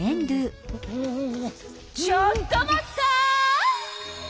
ちょっと待った！